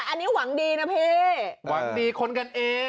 อันนี้หวังดีนะพี่หวังดีคนกันเอง